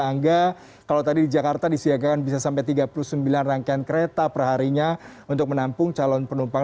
angga kalau tadi di jakarta disiagakan bisa sampai tiga puluh sembilan rangkaian kereta perharinya untuk menampung calon penumpang